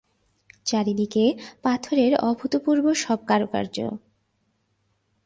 চারিদিকে পাথরের অভূতপূর্ব সব কারুকার্য।